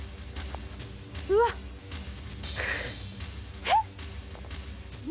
うわっえっ？